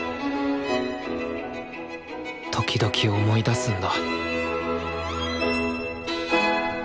時々思い出すんだ。